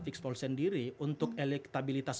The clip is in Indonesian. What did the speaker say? fixpol sendiri untuk elektabilitas